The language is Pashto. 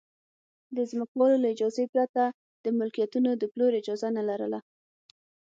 د ځمکوالو له اجازې پرته د ملکیتونو د پلور اجازه نه لرله